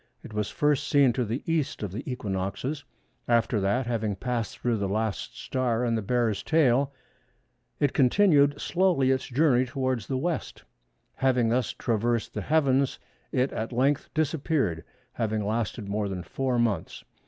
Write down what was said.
It was first seen to the E. of the equinoxes; after that, having passed through the last star in the Bear's tail, it continued slowly its journey towards the W. Having thus traversed the heavens, it at length disappeared, having lasted more than four months.